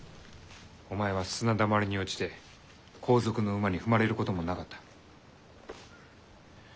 お前は砂だまりに落ちて後続の馬に踏まれることもなかった。